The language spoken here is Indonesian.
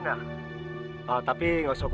tidak ada yang bisa diambil